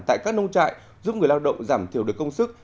tại các nông trại giúp người lao động giảm thiểu được công sức